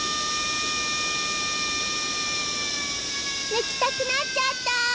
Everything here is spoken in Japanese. ぬきたくなっちゃった！